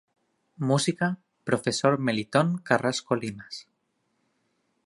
Música: Profesor Melitón Carrasco Limas.